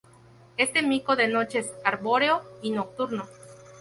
Este mico de noche es arbóreo y nocturno.